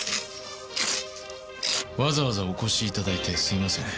わざわざお越しいただいてすいません。